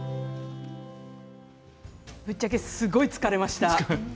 ぶっちゃけすごい疲れました。